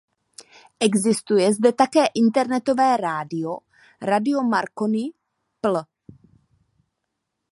Existuje zde také internetové rádio radiomarconi.pl.